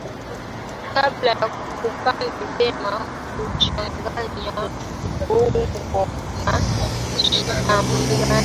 kabla ya kupanda vyema kuchanganya udongo na samadi